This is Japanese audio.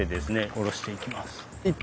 下ろしていきます。